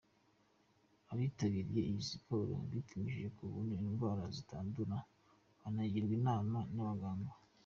Abitabiriye iyi siporo bipimishije ku buntu indwara zitandura, banagirwa inama n’abaganga.